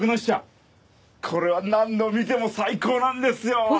これは何度見ても最高なんですよ！